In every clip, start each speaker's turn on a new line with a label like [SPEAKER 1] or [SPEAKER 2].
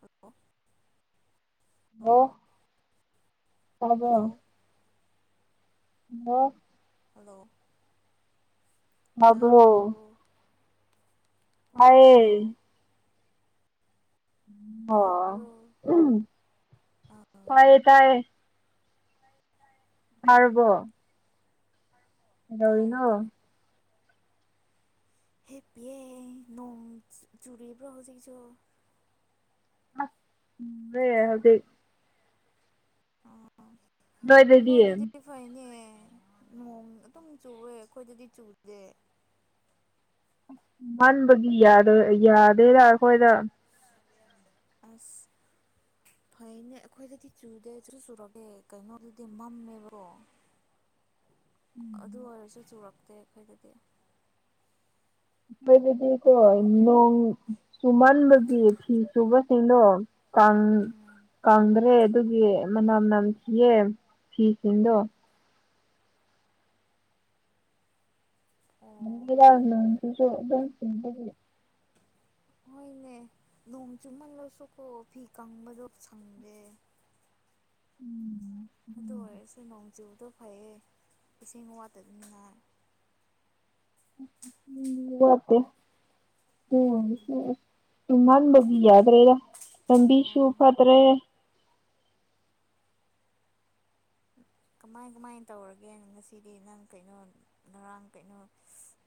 [SPEAKER 1] Hello
[SPEAKER 2] hello ꯇꯕꯔꯣ
[SPEAKER 1] hello
[SPEAKER 2] hello
[SPEAKER 1] hello ꯇꯥꯕ꯭ꯔꯣ
[SPEAKER 2] ꯇꯥꯏꯌꯦ
[SPEAKER 1] ꯍꯜꯂꯣ
[SPEAKER 2] ꯑꯣ
[SPEAKER 1] ꯇꯥꯕ꯭ꯔꯣ ꯑꯥ
[SPEAKER 2] ꯇꯥꯢꯌꯦ ꯇꯥꯏꯌꯦ
[SPEAKER 1] ꯎꯝ
[SPEAKER 2] ꯇꯔꯕꯣ ꯀꯩꯗꯧꯔꯤꯅꯣ
[SPEAKER 1] ꯇꯥꯔꯦ ꯇꯥꯔꯦ ꯍꯤꯞꯄꯤꯌꯦ ꯅꯣꯡ ꯆꯨꯔꯤꯕ꯭ꯔꯣ ꯍꯧꯖꯤꯛꯁꯨ
[SPEAKER 2] ꯍꯧꯖꯤꯛ [unintelligible]
[SPEAKER 1] ꯑꯥ ꯅꯣꯏꯗꯗꯤ ꯐꯩꯅꯦ ꯅꯣꯡ ꯑꯗꯨꯝ ꯆꯨꯑꯦ ꯑꯩꯈꯣꯏꯗꯗꯤ ꯆꯨꯗꯦ
[SPEAKER 2] ꯃꯟꯕꯒꯤ ꯌꯥꯗꯕ ꯌꯥꯗꯦꯗ ꯑꯩꯈꯣꯏꯗ
[SPEAKER 1] ꯑꯁ ꯐꯩꯅꯦ ꯑꯩꯈꯣꯏꯗꯗꯤ ꯆꯨꯗꯦ ꯁꯨꯡꯆꯨ ꯆꯨꯔꯛꯇꯦ ꯀꯩꯅꯣꯗꯗꯤ ꯃꯝꯃꯦꯕꯣ ꯑꯗꯨ
[SPEAKER 2] ꯑꯩꯈꯣꯏꯗꯗꯤꯀꯣ
[SPEAKER 1] ꯑꯣꯏꯔꯁꯨ ꯆꯨꯔꯛꯇꯦ ꯑꯩꯈꯣꯏꯗꯗꯤ
[SPEAKER 2] ꯑꯩꯈꯣꯏꯗꯗꯤ ꯀꯣ ꯅꯣꯡ ꯆꯨꯃꯟꯕꯒꯤ ꯐꯤ ꯁꯨꯕꯁꯤꯡꯗꯣ
[SPEAKER 1] ꯎꯝ
[SPEAKER 2] ꯀꯪꯗ꯭ꯔꯦ ꯑꯗꯨꯒꯤ ꯃꯅꯝ ꯅꯝꯊꯤꯌꯦ ꯐꯤꯁꯤꯡꯗꯣ
[SPEAKER 1] ꯑꯣ
[SPEAKER 2] ꯅꯨꯃꯤꯗꯡꯁꯨ ꯅꯣꯡꯁꯨ ꯗꯨꯝ ꯆꯨꯕꯒꯤ [unintelligible]
[SPEAKER 1] ꯍꯣꯏꯅꯦ ꯅꯣꯡ ꯆꯨꯝꯃꯜꯂꯁꯨ ꯀꯣ ꯐꯤ ꯀꯪꯕꯗꯣ ꯁꯪꯗꯦ
[SPEAKER 2] ꯎꯝ
[SPEAKER 1] ꯑꯗꯨ ꯑꯣꯏꯔꯁꯨ ꯅꯣꯡꯖꯨꯗꯣ ꯐꯩꯌꯦ ꯏꯁꯤꯡ ꯋꯥꯠꯇꯅꯤꯡꯉꯥꯏ
[SPEAKER 2] ꯎꯝ ꯂꯦꯞꯇꯦ [unintelligible] ꯎꯝ ꯆꯨꯃꯥꯟꯕꯒꯤ ꯌꯥꯗ꯭ꯔꯦꯗ ꯂꯝꯕꯤꯁꯨ
[SPEAKER 1] ꯑꯣ
[SPEAKER 2] ꯐꯇ꯭ꯔꯦ
[SPEAKER 1] ꯀꯃꯥꯏ ꯀꯃꯥꯏꯅ ꯇꯧꯔꯒꯦ ꯉꯁꯤꯗꯤ ꯅꯪ ꯀꯩꯅꯣ ꯉꯔꯥꯡ ꯀꯩꯅꯣ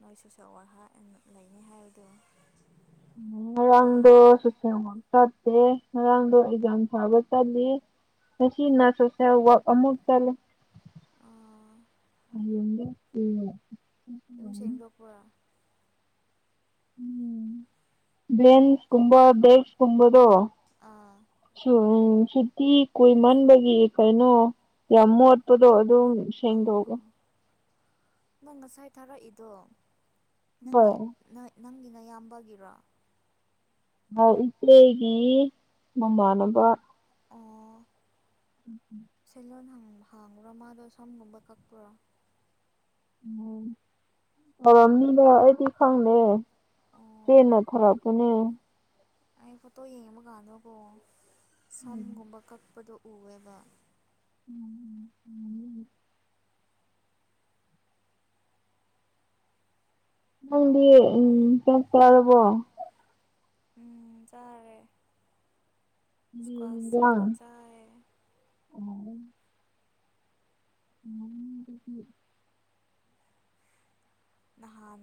[SPEAKER 1] ꯃꯣꯏ ꯁꯣꯁꯦꯜ ꯋꯥꯛ ꯂꯩꯅꯤ ꯍꯥꯏꯕꯗꯣ
[SPEAKER 2] ꯉꯔꯡꯗꯣ ꯁꯣꯁꯦꯜ ꯋꯥꯛ ꯆꯠꯇꯦ ꯉꯥꯡꯗꯣ ꯑꯦꯖꯝ ꯊꯕ ꯆꯠꯂꯦ ꯉꯥꯁꯤꯅ ꯁꯣꯁꯦꯜ ꯋꯥꯛ ꯑꯃꯨꯛ ꯆꯠꯂꯤ [unintelligible]
[SPEAKER 1] ꯑꯗꯨꯨꯝ ꯁꯦꯡꯗꯣꯛꯄ꯭ꯔꯥ
[SPEAKER 2] ꯎꯝ ꯕ꯭ꯂꯟꯁ ꯀꯨꯝꯕꯥ ꯕꯦꯛ꯭ꯁ ꯀꯨꯝꯕꯗꯨꯣ
[SPEAKER 1] ꯑꯥ
[SPEAKER 2] ꯁ ꯎꯝ ꯁꯨꯇꯤ ꯀꯨꯏ ꯃꯟꯕꯒꯤ ꯀꯩꯅꯣ ꯌꯥꯝ ꯃꯣꯠꯄꯗꯣ ꯑꯗꯨꯝ
[SPEAKER 1] ꯑꯣ
[SPEAKER 2] ꯁꯦꯡꯗꯣꯛꯑꯒ
[SPEAKER 1] ꯑꯣ ꯅꯪ ꯉꯁꯥꯏ ꯊꯥꯔꯛꯏꯗꯣ ꯅꯪꯒꯤ ꯅꯪꯒꯤꯅ ꯅꯥꯌꯥꯝꯕꯒꯤꯔꯣ
[SPEAKER 2] ꯑꯥ ꯏꯆꯦꯒꯤ ꯃꯃꯥꯟꯅꯕ
[SPEAKER 1] ꯑ
[SPEAKER 2] ꯎꯝꯝ [unintelligible]
[SPEAKER 1] ꯁꯦꯂꯂꯣꯟ ꯍꯥꯡꯕ꯭ꯔꯣ ꯃꯥꯗꯣ ꯁꯝꯒꯨꯝꯕ ꯀꯛꯄ꯭ꯔꯣ
[SPEAKER 2] ꯎꯝ ꯍꯥꯎꯔꯝꯅꯤꯅ ꯑꯩꯗꯤ ꯈꯪꯗꯦ
[SPEAKER 1] ꯑꯣ
[SPEAKER 2] ꯆꯦꯟꯅ ꯊꯔꯛ ꯄꯥꯅꯦ
[SPEAKER 1] ꯑꯩ ꯐꯣꯇꯣ ꯌꯦꯡꯕ ꯀꯥꯟꯗꯀꯣ
[SPEAKER 2] ꯎꯝ
[SPEAKER 1] ꯁꯝꯒꯨꯝꯕ ꯀꯛꯄꯗꯣ ꯎꯋꯦꯕ꯫
[SPEAKER 2] ꯎꯝ ꯎꯝ ꯎꯝ ꯅꯪꯗꯤ ꯎꯝ ꯆꯥꯛ ꯆꯥꯔꯕꯣ ꯫
[SPEAKER 1] ꯎꯝ ꯆꯥꯔꯦ ꯏꯁꯀ꯭ꯋꯥꯁ ꯆꯝꯐꯨ
[SPEAKER 2] ꯏꯟꯖꯥꯡ
[SPEAKER 1] ꯆꯥꯏ꯫
[SPEAKER 2] ꯎꯝ
[SPEAKER 1] ꯅꯍꯥꯟ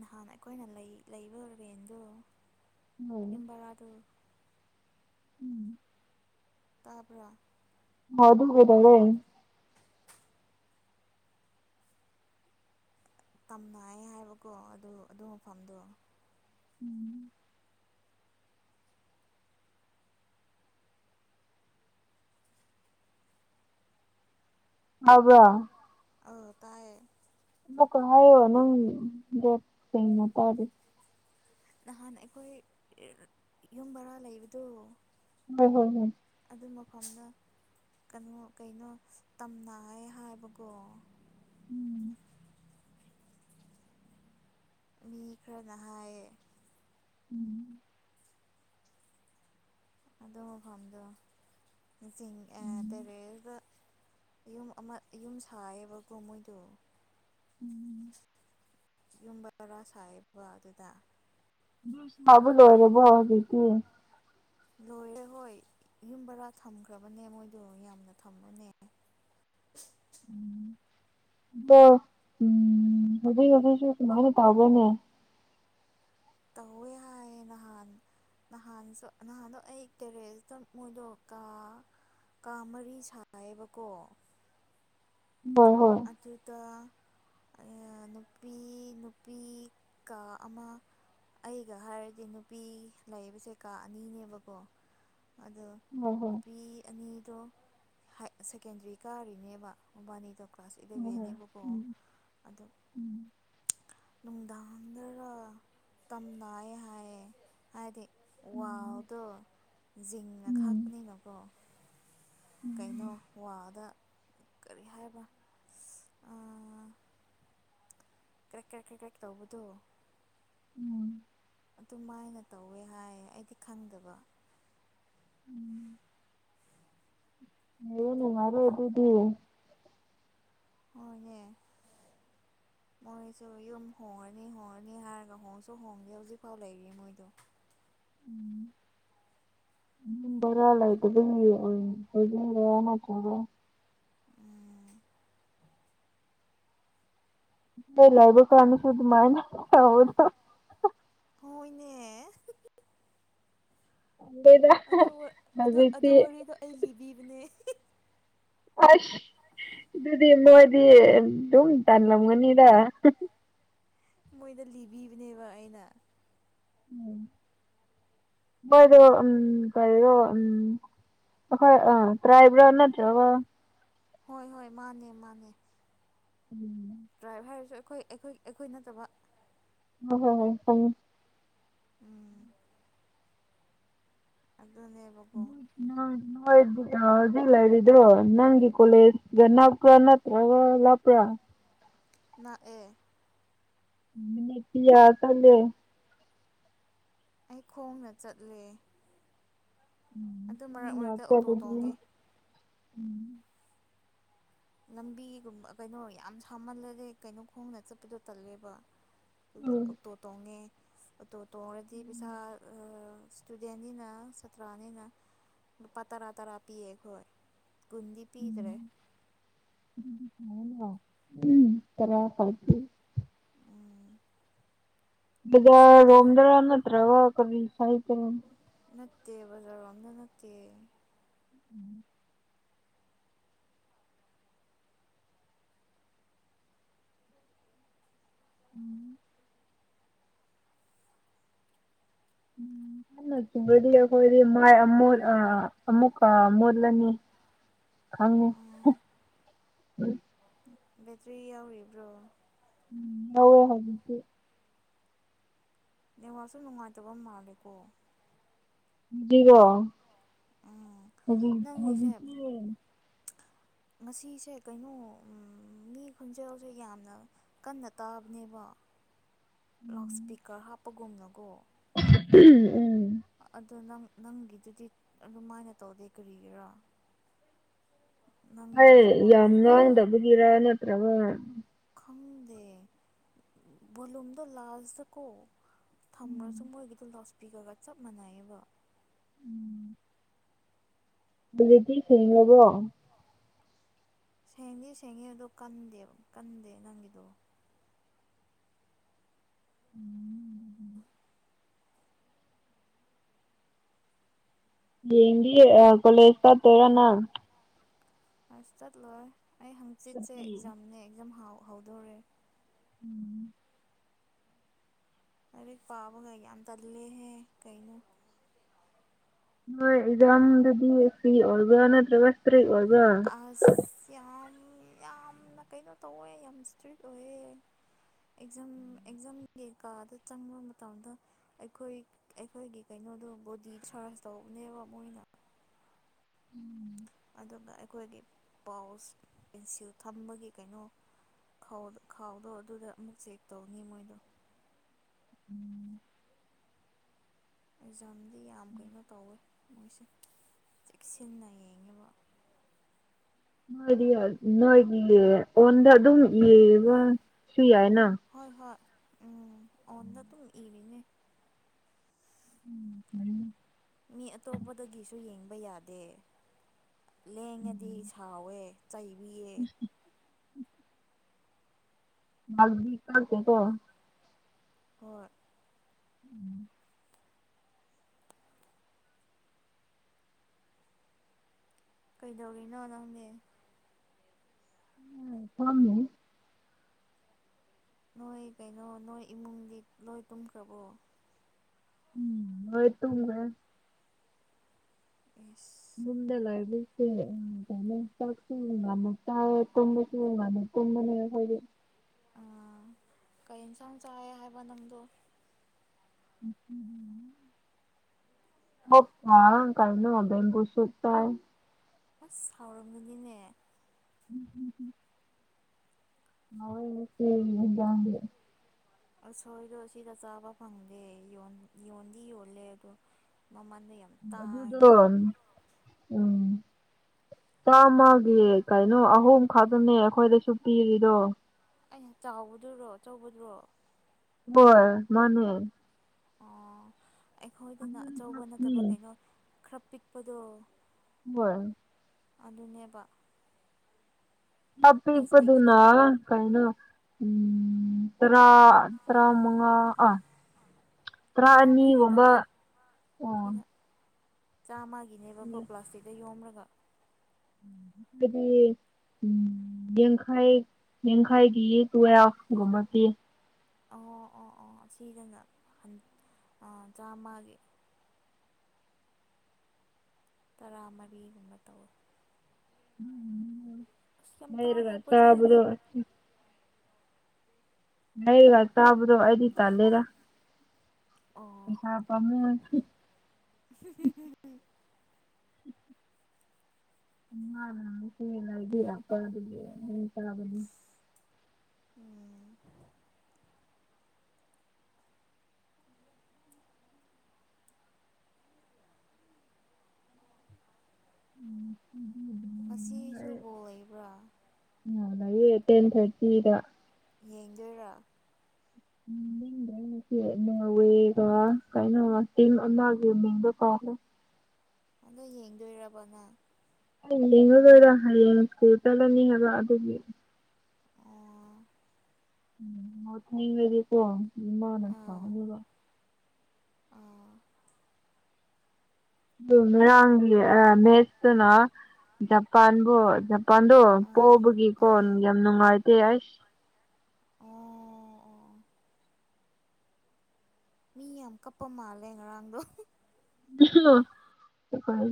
[SPEAKER 1] ꯅꯍꯥꯟ ꯑꯩꯈꯣꯏꯅ ꯂꯩꯕ ꯔꯦꯟꯗꯣ꯫ ꯌꯨꯝ ꯕꯥꯔꯗꯣ
[SPEAKER 2] ꯎꯝ
[SPEAKER 1] ꯇꯥꯕ꯭ꯔꯥ
[SPEAKER 2] ꯍꯣ ꯑꯗꯨꯒꯤꯗꯅꯦ꯫
[SPEAKER 1] ꯇꯝꯅꯩ ꯍꯥꯏꯕꯀꯣ ꯑꯗꯨ ꯑꯗꯨ ꯃꯐꯝꯗꯣ꯫
[SPEAKER 2] ꯎꯝ ꯇꯥꯕ꯭ꯔꯥ
[SPEAKER 1] ꯑ ꯇꯥꯏꯌꯦ꯫
[SPEAKER 2] ꯑꯃ ꯀ ꯍꯥꯏꯌꯣ ꯅꯪꯗꯤ ꯀꯩꯅꯣ ꯇꯗꯤ
[SPEAKER 1] ꯅꯍꯥꯟ ꯑꯩꯈꯣꯏ ꯌꯨꯝ ꯕꯔꯥ ꯂꯩꯕꯗꯣ꯫
[SPEAKER 2] ꯍꯣꯏ ꯍꯣꯏ ꯍꯨꯝ
[SPEAKER 1] ꯑꯗꯨ ꯃꯐꯝꯗꯣ ꯀꯩꯅꯣ ꯀꯩꯅꯣ ꯇꯝꯅ ꯍꯥꯏꯕꯀꯣ꯫
[SPEAKER 2] ꯎꯝ
[SPEAKER 1] ꯃꯤ ꯈꯔꯅ ꯍꯥꯏꯌꯦ꯫
[SPEAKER 2] ꯎꯝ
[SPEAKER 1] ꯑꯗꯨ ꯃꯐꯝꯗꯣ ꯆꯤꯡ ꯑ
[SPEAKER 2] ꯎꯝ
[SPEAKER 1] ꯇꯦꯔꯦꯇ꯫ ꯌꯨꯝ ꯑꯃ ꯌꯨꯝ ꯁꯥꯏꯌꯦꯕꯀꯣ ꯃꯣꯏꯗꯣ꯫
[SPEAKER 2] ꯎꯝ
[SPEAKER 1] ꯌꯨꯝꯕꯔꯥ ꯁꯥꯏꯕ ꯑꯗꯨꯗ
[SPEAKER 2] ꯁꯕ ꯂꯣꯏꯔꯕꯣ ꯍꯧꯖꯤꯛꯇꯤ꯫
[SPEAKER 1] ꯂꯣꯏꯔꯦ ꯍꯣꯏ ꯌꯨꯝ ꯕꯔꯥ ꯊꯝꯈ꯭ꯔꯕꯅꯦ ꯃꯣꯏꯗꯣ ꯌꯥꯝꯅ ꯊꯝꯃꯅꯦ꯫
[SPEAKER 2] ꯑꯗꯣ ꯎꯝ ꯍꯧꯖꯤꯛ ꯍꯧꯖꯤꯛꯁꯨ ꯁꯨꯃꯥꯏꯅ ꯇꯧꯋꯦꯅꯦ꯫
[SPEAKER 1] ꯇꯧꯋꯦ ꯍꯥꯏꯑꯦ ꯅꯍꯥꯟ ꯅꯍꯥꯟꯁꯨ ꯅꯍꯥꯟꯗꯣ ꯑꯩ ꯀꯦꯔꯦꯖꯇ ꯃꯣꯏꯗꯣ ꯀꯥ ꯀꯥ ꯃꯔꯤ ꯁꯥꯏꯑꯦꯕꯀꯣ꯫
[SPEAKER 2] ꯍꯣꯏ ꯍꯣꯏ
[SPEAKER 1] ꯑꯗꯨꯗ ꯅꯨꯄꯤ ꯅꯨꯄꯤ ꯀꯥ ꯑꯃ ꯑꯩꯒ ꯍꯥꯏꯔꯗꯤ ꯅꯨꯄꯤ ꯂꯩꯕꯁꯦ ꯀꯥ ꯑꯅꯤꯅꯦꯕꯀꯣ꯫ ꯑꯗꯣ
[SPEAKER 2] ꯍꯣꯏ ꯍꯣꯏ
[SPEAKER 1] ꯅꯨꯄꯤ ꯑꯅꯤꯗꯣ ꯍꯥꯏ ꯁꯦꯀꯦꯟꯗꯔꯤ ꯀꯥꯔꯤꯅꯦꯕ ꯃꯕꯥꯅꯤꯗꯣ
[SPEAKER 2] ꯍꯣꯏ ꯍꯣꯏ
[SPEAKER 1] ꯕꯤꯕꯦꯅꯦꯕꯀꯣ
[SPEAKER 2] ꯎꯝ
[SPEAKER 1] ꯑꯗꯨ
[SPEAKER 2] ꯎꯝ
[SPEAKER 1] ꯅꯨꯡꯗꯥꯡꯗꯔ ꯇꯝꯅꯩ ꯍꯥꯏꯑꯦ ꯍꯥꯏꯗꯤ ꯋꯥꯎꯗꯣ ꯖꯤꯡꯅ
[SPEAKER 2] ꯎꯝ
[SPEAKER 1] ꯈꯥꯛꯄꯅꯤꯅꯀꯣ ꯀꯩꯅꯣ
[SPEAKER 2] ꯎꯝ
[SPEAKER 1] ꯋꯥꯗ ꯀꯔꯤ ꯍꯥꯏꯕ ꯑꯥ ꯀ꯭ꯔꯦꯛ ꯀ꯭ꯔꯦꯛ ꯀ꯭ꯔꯦꯛ ꯀ꯭ꯔꯦꯛ ꯇꯧꯕꯗꯣ
[SPEAKER 2] ꯎꯝ
[SPEAKER 1] ꯑꯗꯨꯃꯥꯏꯅ ꯇꯧꯋꯦ ꯍꯥꯏꯌꯦ ꯑꯩꯗꯤ ꯈꯪꯗꯕ꯫
[SPEAKER 2] ꯎꯝ ꯅꯣꯏ ꯅꯨꯉꯥꯏꯔꯣꯏ ꯑꯗꯨꯗꯤ
[SPEAKER 1] ꯍꯣꯏꯅꯦ꯫ ꯃꯣꯏꯁꯨ ꯌꯨꯝ ꯍꯣꯡꯉꯅꯤ ꯍꯣꯡꯉꯅꯤ ꯍꯥꯏꯔꯒ ꯍꯣꯡꯁꯨ ꯍꯣꯡꯗꯦ ꯍꯧꯖꯤꯛꯐꯥꯎ ꯂꯩꯔꯤ ꯃꯣꯏꯗꯣ꯫
[SPEAKER 2] [inaudible] [inaudible]
[SPEAKER 1] ꯎꯝ꯫
[SPEAKER 2] [inaudible]
[SPEAKER 1] ꯍꯣꯏꯅꯦ꯫
[SPEAKER 2] [inaudible]
[SPEAKER 1] ꯑꯗꯨ ꯑꯗꯨ ꯑꯗꯨ
[SPEAKER 2] ꯍꯧꯖꯤꯛꯇꯤ
[SPEAKER 1] ꯋꯥꯔꯤꯗꯣ ꯑꯩ ꯂꯤꯕꯤꯕꯅꯦ꯫
[SPEAKER 2] ꯑꯁ ꯑꯗꯨꯗꯤ ꯅꯣꯏꯗꯤ ꯑꯗꯨꯝ ꯇꯟꯂꯝꯒꯅꯤꯗ꯫
[SPEAKER 1] ꯃꯣꯏꯗ ꯂꯤꯕꯤꯕꯅꯦꯕ ꯑꯩꯅ꯫ [unintelligible]
[SPEAKER 2] ꯃꫭꯏꯗꫭ ꯎꯝ ꯀꯔꯤꯔꯣ ꯎꯝ ꯑꯈꫭꯏ ꯑꯥ ꯇ꯭ꯔꯥꯏꯕꯔ ꯅꯠꯇ꯭ꯔꯒ
[SPEAKER 1] ꯍꯣꯏ ꯍꯣꯏ ꯃꯥꯅꯦ ꯃꯥꯅꯦ꯫
[SPEAKER 2] ꯎꯝ꯫
[SPEAKER 1] ꯇ꯭ꯔꯥꯏꯕ ꯍꯥꯏꯔꯁꯨ ꯑꯩꯈꯣꯏ ꯑꯩꯈꯣꯏ ꯑꯩꯈꯣꯏ ꯅꯠꯇꯕ꯫
[SPEAKER 2] [inaudible]
[SPEAKER 1] ꯎꯝ꯫ ꯑꯗꯨꯅꯦꯕꯀꯣ꯫
[SPEAKER 2] ꯅꯪ ꯅꫭꯏ ꯖꯤꯛ ꯂꯩꯔꯤꯗꯣ ꯅꯪꯒꯤ ꯀꯣꯂꯦꯁꯒ ꯅꯛ ꯄ꯭ꯔ ꯅꯠꯇ꯭ꯔꯒ ꯂꯥꯞꯄ꯭ꯔꯥ꯫
[SPEAKER 1] ꯅꯛꯑꯦ꯫
[SPEAKER 2] ꯃꯤꯅꯤꯠ ꯀꯌꯥ ꯆꯠꯂꯦ꯫
[SPEAKER 1] ꯑꯩ ꯈꯣꯡꯅ ꯆꯠꯂꯦ꯫ ꯑꯗꯨ ꯃꯔꯛ
[SPEAKER 2] ꯅꯪꯅ
[SPEAKER 1] ꯃꯔꯛꯇ ꯑꯣꯇꯣ
[SPEAKER 2] ꯆꯠꯄꯗꯤ
[SPEAKER 1] ꯇꯣꯡꯉꯦ꯫
[SPEAKER 2] [inaudible]
[SPEAKER 1] ꯂꯝꯕꯤꯒꯨꯝꯕ ꯀꯩꯅꯣ ꯌꯥꯝ ꯁꯥꯃꯜꯂꯗꯦ ꯀꯩꯅꯣ ꯈꯣꯡꯅ ꯆꯠꯄꯗꯣ ꯇꯜꯂꯦꯕ꯫ ꯑꯗꯨꯒꯤ ꯑꯣꯛꯇꯣ ꯇꯣꯡꯉꯦ ꯑꯣꯛꯇꯣ ꯇꯣꯡꯉꯔꯗꯤ ꯄꯩꯁꯥ ꯁ꯭ꯇꯨꯗꯦꯟꯅꯤꯅ ꯁꯥꯇ꯭ꯔꯥꯅꯤꯅ ꯂꯨꯄꯥ ꯇꯔꯥ ꯇꯔꯥ ꯄꯤꯌꯦ ꯑꯩꯈꯣꯏ꯫ ꯀꯨꯟꯗꯤ ꯄꯤꯗ꯭ꯔꯦ꯫
[SPEAKER 2] ꯎꯝ [inaudible]
[SPEAKER 1] [unintelligible] ꯑꯁ
[SPEAKER 2] ꯕꯖꯥꯔ
[SPEAKER 1] ꯑꯣꯇꯣ
[SPEAKER 2] ꯔꯣꯝꯗ꯭ꯔ ꯅꯠꯇ꯭ꯔꯒ ꯀꯔꯤ ꯁꯥꯏꯠꯇꯔ
[SPEAKER 1] ꯅꯠꯇꯦ ꯕꯖꯥꯔꯔꫭꯝꯗ ꯅꯠꯇꯦ꯫
[SPEAKER 2] [inaudible] [inaudible] ꯀꯟꯅ ꯆꯨꯔꯗꯤ ꯑꯩꯈꯣꯏꯗꯤ ꯃꯥꯏ ꯑꯃꯣꯠ ꯑ ꯑꯃꯃꯨꯀꯥ ꯃꫭꯠꯂꯅꯤ ꯈꯪꯉꯨ꯫
[SPEAKER 1] ꯕꯦꯇ꯭ꯔꯤ ꯌꯥꯎꯔꯤꯕ꯭ꯔꯣ꯫
[SPEAKER 2] [inaudible]
[SPEAKER 1] ꯅꯦꯋꯥꯛꯁꯨ ꯅꯨꯡꯉꯥꯏꯇꯕ ꯃꯥꯜꯂꯦꯀꯣ꯫
[SPEAKER 2] ꯍꯧꯖꯤꯛꯔꯣ
[SPEAKER 1] ꯎꯝ
[SPEAKER 2] ꯍꯧꯖꯤꯛ
[SPEAKER 1] ꯅꯪꯒꯤꯁꯦ
[SPEAKER 2] ꯍꯧꯖꯤꯛꯇꯤ
[SPEAKER 1] ꯉꯁꯦ ꯀꯩꯅꯣ ꯎꯝ ꯃꯤ ꯈꫭꯟꯖꯦꯜꯁꯨ ꯌꯥꯝꯅ ꯀꯟꯅ ꯇꯥꯕꯅꯦꯕ ꯂꯥꯎꯠ ꯏꯁ꯭ꯄꯤꯀꯔ ꯍꯥꯞꯄꯒꯨꯝꯅꯀꯣ꯫
[SPEAKER 2] ꯎꯝ
[SPEAKER 1] ꯑꯗꯣ ꯅꯪ ꯅꯪꯒꯤꯗꯨꯗꯤ ꯑꯗꯨꯃꯥꯏꯅ ꯇꯧꯗꯦ ꯀꯔꯤꯒꯤꯔꯥ ꯅꯪꯒꯤ
[SPEAKER 2] ꯑꯩ ꯌꯥꯝ
[SPEAKER 1] ꯅꯦꯠꯋꯥꯛꯅꯔꯥ
[SPEAKER 2] ꯉꯥꯡꯗꯕꯒꯤꯔ ꯅꯠꯇꯔꯒ
[SPEAKER 1] ꯈꯪꯗꯦ ꯕꯣꯂꯨꯝꯗꯣ ꯂꯥꯜꯁꯇꯀꯣ ꯊꯝꯔꯁꯨ ꯃꯣꯏꯒꯤꯗꯣ ꯂꯣꯁꯄꯤꯈ꯭ꯔꯒ ꯆꯞ ꯃꯥꯟꯅꯩꯌꯦꯕ
[SPEAKER 2] ꯎꯝ ꯑꯗꯨꯗꯗꯤ ꯁꯦꯡꯂꯕꯣ
[SPEAKER 1] ꯁꯦꯡꯗꯤ ꯁꯦꯡꯉꯦ ꯑꯗꯣ ꯀꯟꯗꯦꯕ ꯀꯟꯗꯦ ꯅꯪꯒꯤꯗꯣ
[SPEAKER 2] ꯎꯝ ꯍꯌꯦꯡꯗꯒꯤ ꯑꯥ ꯀꯣꯂꯦꯖ ꯆꯠꯇꯣꯏꯔ ꯅꯪ
[SPEAKER 1] ꯑꯥꯁ ꯆꯠꯂꯣꯏ ꯑꯩ ꯍꯥꯡꯆꯤꯠꯁꯦ
[SPEAKER 2] ꯁꯨꯇꯤ
[SPEAKER 1] ꯑꯦꯛꯖꯥꯝꯅꯦ ꯑꯦꯛꯖꯥꯝ ꯍꯧ ꯍꯧꯗꯣꯔꯦ
[SPEAKER 2] ꯎꯝ
[SPEAKER 1] ꯂꯥꯏꯔꯤꯛ ꯄꯥꯕꯒ ꯌꯥꯝ ꯇꯜꯂꯦꯍꯦ ꯀꯩꯅꯣ
[SPEAKER 2] ꯅꯣꯏ ꯑꯦꯛꯖꯥꯝꯗꯨꯗꯤ ꯁꯤ ꯑꯣꯏꯕꯔ ꯅꯠꯇ꯭ꯔꯒ ꯏꯁꯇ꯭ꯔꯤꯛ ꯑꯣꯏ
[SPEAKER 1] ꯑꯁ ꯌꯥꯝ ꯌꯥꯝꯅ ꯀꯩꯅꯣ ꯇꯧꯋꯦ ꯌꯥꯝ ꯏꯁꯇ꯭ꯔꯤꯛ ꯑꯣꯏꯌꯦ ꯑꯦꯛꯖꯥꯝ ꯑꯦꯛꯖꯥꯝꯒꯤ ꯀꯥꯗ ꯆꯪꯕ ꯃꯇꯝꯗ ꯑꯩꯈꯣꯏ ꯑꯩꯈꯣꯏꯒꯤ ꯀꯩꯅꯣꯗꯣ ꯕꯣꯗꯤ ꯁꯥꯔꯖ ꯇꯧꯕꯅꯦꯕ ꯃꯣꯏꯅ ꯑꯗꯨꯒ ꯑꯩꯈꯣꯏꯒꯤ ꯄꯥꯎꯁ ꯄꯦꯟꯁꯤꯜ ꯊꯝꯕꯒꯤ ꯀꯩꯅꯣ ꯈꯥꯎ ꯈꯥꯎꯗꯣ ꯑꯗꯨꯗ ꯑꯃꯨꯛ ꯆꯦꯛ ꯇꯧꯅꯤ ꯃꯣꯏꯗꯣ ꯑꯦꯛꯖꯥꯝꯗꯤ ꯌꯥꯝ ꯀꯩꯅꯣ ꯇꯧꯋꯦ ꯃꯣꯏꯁꯦ ꯆꯦꯛꯁꯤꯟꯅ ꯌꯦꯡꯉꯦꯕ
[SPEAKER 2] ꯅꯣꯏꯗꯤ ꯅꯣꯏꯗꯤ ꯑꯣꯟꯗ ꯑꯗꯨꯝ ꯌꯦꯕꯁꯨ ꯌꯥꯏꯅ
[SPEAKER 1] ꯍꯣꯏ ꯍꯣꯏ ꯎꯝ ꯑꯣꯟꯗ ꯑꯗꯨꯝ ꯏꯔꯤꯅꯦ
[SPEAKER 2] ꯎꯝ
[SPEAKER 1] ꯃꯤ ꯑꯇꯣꯞꯄꯗꯒꯤꯁꯨ ꯌꯦꯡꯕ ꯌꯥꯗꯦ ꯂꯦꯡꯉꯗꯤ ꯁꯥꯎꯋꯦ ꯆꯩꯕꯤꯌꯦ
[SPEAKER 2] ꯃꯥ [unintelligible] ꯀꯣ
[SPEAKER 1] ꯍꯣꯏ
[SPEAKER 2] ꯎꯝ
[SPEAKER 1] ꯀꯩꯗꯧꯔꯤꯅꯣ ꯅꯪꯗꯤ
[SPEAKER 2] ꯎꯝ ꯐꯝꯃꯝꯃꯤꯅꯤ
[SPEAKER 1] ꯅꯣꯏ ꯀꯩꯅꯣ ꯅꯣꯏ ꯏꯃꯨꯡꯗꯤ ꯂꯣꯏ ꯇꯨꯝꯈ꯭ꯔꯕꯣ
[SPEAKER 2] ꯎꯝ ꯂꯣꯏ ꯇꯨꯝꯒꯔꯦ
[SPEAKER 1] ꯏꯁ
[SPEAKER 2] ꯌꯨꯝꯗ ꯂꯩꯕꯁꯦ [unintelligible] ꯇꯨꯝꯕꯁꯨ ꯉꯟꯅ ꯇꯨꯝꯕꯅꯦ ꯑꯩꯈꯣꯏꯗꯤ
[SPEAKER 1] ꯑꯥ ꯀꯩ ꯏꯟꯁꯥꯡ ꯆꯥꯏ ꯍꯥꯏꯕ ꯅꯪꯗꯣ
[SPEAKER 2] ꯉꯁꯤꯗꯤ [inaudible] ꯀꯩꯅꯣ ꯕꯦꯝꯕꯨ ꯁꯨꯄ ꯆꯥꯏ
[SPEAKER 1] ꯑꯁ ꯍꯥꯎꯔꯝꯒꯅꯤꯅꯦ
[SPEAKER 2] ꯎꯝ ꯎꯝ ꯍꯥꯎꯋꯦ
[SPEAKER 1] ꯎꯁꯣꯏꯗꯣ ꯁꯤꯗ ꯆꯥꯕ ꯐꯪꯗꯦ ꯌꯣꯟꯗꯤ ꯌꯣꯜꯂꯦ ꯑꯗꯣ ꯃꯃꯟꯗꯣ ꯌꯥꯝ
[SPEAKER 2] ꯑꯗꯨꯗꯣ
[SPEAKER 1] ꯇꯥꯡꯉꯦ
[SPEAKER 2] ꯎꯝ ꯆꯥꯝꯃꯒꯤ ꯀꯌꯥ ꯅꯣ ꯑꯍꯨꯝ ꯈꯛꯇꯅꯦ ꯑꯩꯈꯣꯏꯗꯁꯨ ꯄꯤꯔꯤꯗꯣ
[SPEAKER 1] ꯑꯩ ꯆꯥꯎꯕꯗꯨꯔꯣ ꯑꯆꯧꯕꯗꯨꯔꯣ
[SPEAKER 2] ꯍꯣꯏ ꯃꯥꯅꯦ
[SPEAKER 1] ꯑꯣ ꯑꯩꯈꯣꯏꯗꯅ ꯑꯆꯧꯕ ꯅꯠꯇꯕ
[SPEAKER 2] ꯍꯣꯏ
[SPEAKER 1] ꯀꯩꯅꯣ ꯈꯔ ꯄꯤꯛꯄꯗꯣ
[SPEAKER 2] ꯍꯣꯏ
[SPEAKER 1] ꯑꯗꯨꯅꯦꯕ ꯄ꯭ꯂꯥꯁꯇꯤꯛꯇ
[SPEAKER 2] ꯑꯥꯄꯄꯤꯛꯄꯗꯨꯅ ꯀꯩꯅꯣ ꯎꯝ ꯇꯔꯥ ꯇ꯭ꯔ ꯃꯉꯥ ꯇꯔꯥ
[SPEAKER 1] ꯇꯔꯥꯃꯔꯤ
[SPEAKER 2] ꯑꯅꯤꯒꯨꯝꯕ
[SPEAKER 1] ꯇꯧꯋꯦ
[SPEAKER 2] ꯑꯣ
[SPEAKER 1] ꯁꯤꯅ ꯆꯥꯝꯃꯒꯤꯅꯦꯕꯀꯣ ꯄ꯭ꯂꯥꯁꯇꯤꯛꯇ ꯌꯣꯝꯔꯒ
[SPEAKER 2] ꯎꯝ [inaudible] ꯍꯥꯏꯗꯤ ꯎꯝ ꯌꯦꯡꯈꯥꯏ ꯌꯦꯡꯈꯥꯏꯒꯤ ꯇꯨꯌꯦꯜ꯭ꯞ ꯨꯒꯨꯝꯕꯥ ꯄꯤ
[SPEAKER 1] ꯑ ꯑꯣ ꯑꯣ ꯁꯤꯗꯅ ꯑ ꯆꯥꯝꯃꯒꯤ ꯇꯔꯥꯃꯔꯤꯒꯨꯝꯕ ꯇꯧꯋ ꯑꯁ ꯌꯥꯝ ꯇꯥꯡꯉꯦ
[SPEAKER 2] ꯂꯩꯔꯒꯥ
[SPEAKER 1] ꯄꯣꯠ ꯆꯩꯁꯦ
[SPEAKER 2] ꯆꯕꯗꯣ ꯍꯩꯒꯥ ꯆꯕꯗꯣ ꯑꯩꯗꯤ ꯇꯥꯂꯦꯗ
[SPEAKER 1] ꯑꯣ
[SPEAKER 2] ꯄꯩꯁꯥ ꯄꯥꯃ [unintelligible]
[SPEAKER 1] [unintelligible]
[SPEAKER 2] [unintelligible] ꯆꯥꯕꯅꯤ
[SPEAKER 1] ꯎꯝ
[SPEAKER 2] ꯎꯝ ꯎꯝ
[SPEAKER 1] ꯉꯁꯨꯁꯤ ꯕꯣꯜ ꯂꯩꯕ꯭ꯔꯥ
[SPEAKER 2] ꯂꯩꯌꯦ ꯇꯦꯟ ꯊꯔꯇꯤꯗ
[SPEAKER 1] ꯌꯦꯡꯗꯣꯏꯔꯥ
[SPEAKER 2] ꯎꯝ ꯑꯩꯁꯤ ꯅꯣꯔꯋꯦꯒ ꯀꯥꯏꯅ ꯇꯤꯝ ꯑꯃꯒꯤ ꯃꯤꯡꯗꯣ ꯀꯥꯎꯈ꯭ꯔꯦ
[SPEAKER 1] ꯑꯗꯣ ꯌꯦꯡꯗꯣꯏꯔꯕ ꯅꯪ
[SPEAKER 2] ꯌꯦꯉꯒꯔꯣꯏꯗ ꯍꯌꯦꯡ ꯁꯀꯨꯜ꯫ ꯆꯠꯂꯅꯤ [unintelligible] ꯍꯥꯏꯕ ꯑꯗꯨꯒꯤ
[SPEAKER 1] ꯑꯣ
[SPEAKER 2] [unintelligible] ꯏꯃꯥꯅ
[SPEAKER 1] ꯑꯥ
[SPEAKER 2] ꯁꯥꯎꯔꯒ
[SPEAKER 1] ꯑꯥ
[SPEAKER 2] ꯑꯗꯨ ꯉꯣꯏꯔꯥꯡꯒꯤ ꯃꯦꯠꯁꯇꯨꯅ ꯖꯄꯥꯟꯕꯨ ꯖꯥꯄꯥꯟꯗꯣ
[SPEAKER 1] ꯑꯥ
[SPEAKER 2] ꯄꯣꯛꯕꯒꯤꯀꯣ
[SPEAKER 1] ꯑꯥ
[SPEAKER 2] ꯌꯥꯝ ꯅꯨꯡꯉꯥꯏꯇꯦ ꯑꯩꯁ
[SPEAKER 1] ꯑꯣ ꯑꯣ ꯃꯤ ꯌꯥꯝ ꯀꯞꯄ ꯃꯥꯜꯂꯦ ꯉꯔꯥꯡꯗꯣ
[SPEAKER 2] ꯀ [unintelligible]